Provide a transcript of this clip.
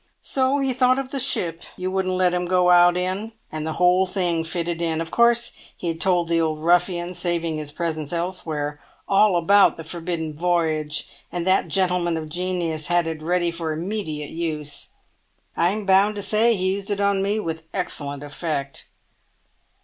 "So he thought of the ship you wouldn't let him go out in—and the whole thing fitted in! Of course he had told the old ruffian—saving his presence elsewhere—all about the forbidden voyage; and that gentleman of genius had it ready for immediate use. I'm bound to say he used it on me with excellent effect."